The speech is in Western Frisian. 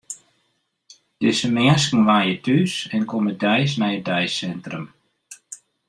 Dizze minsken wenje thús en komme deis nei it deisintrum.